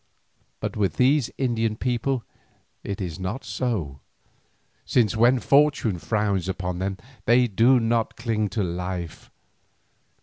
But with these Indian people it is not so, since when fortune frowns upon them they do not cling to life.